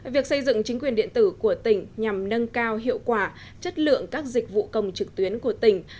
việc xây dựng chính quyền điện tử của tỉnh nhằm nâng cao hiệu quả chất lượng các dịch vụ công trực tuyến của tỉnh